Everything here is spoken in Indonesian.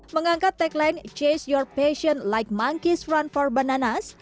mengangkat tagline chase your passion like monkeys run for bananas